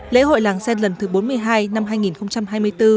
lễ hội làng sen lần thứ bốn mươi hai năm hai nghìn hai mươi bốn